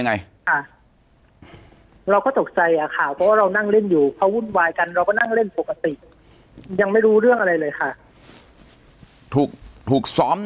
ปากกับภาคภูมิ